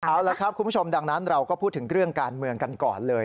เอาละครับคุณผู้ชมดังนั้นเราก็พูดถึงเรื่องการเมืองกันก่อนเลย